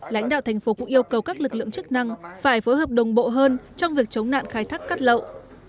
lãnh đạo thành phố cũng yêu cầu các lực lượng chức năng phải phối hợp đồng bộ hơn trong việc chống nạn khai thác cát lậu